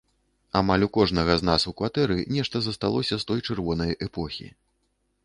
Амаль у кожнага з нас у кватэры нешта засталося з той чырвонай эпохі.